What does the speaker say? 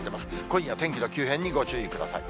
今夜、天気の急変にご注意ください。